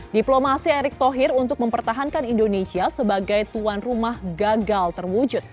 diplomasi erick thohir untuk mempertahankan indonesia sebagai tuan rumah gagal terwujud